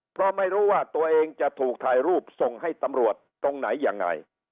เพราะไม่รู้ว่าตัวเองจะถูกถ่ายรูปส่งให้ตำรวจตรงไหนยังไง